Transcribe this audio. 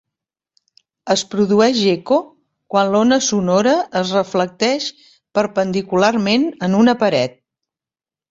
Es produeix eco quan l'ona sonora es reflecteix perpendicularment en una paret.